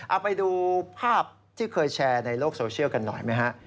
เอาไปดูภาพที่เคยแชร์ในโลกโซเชียลกันหน่อยไหมฮะ